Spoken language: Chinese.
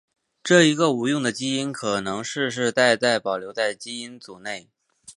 这一个无用的基因可能世世代代保留在基因组内。